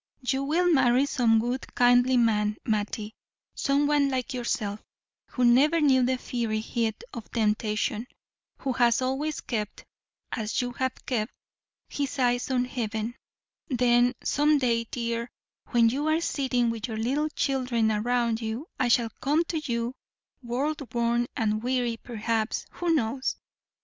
You will marry some good, kindly man, Mattie some one like yourself, who never knew the fiery heat of temptation; who has always kept as you have kept his eyes on Heaven; then, some day, dear, when you are sitting with your little children around you, I shall come to you world worn and weary, perhaps, who knows!